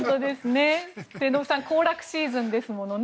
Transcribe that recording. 末延さん行楽シーズンですものね。